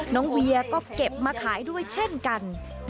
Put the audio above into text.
เวียก็เก็บมาขายด้วยเช่นกัน